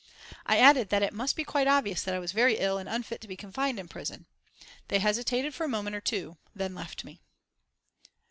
I added that it must be quite obvious that I was very ill and unfit to be confined in prison. They hesitated for a moment or two, then left me.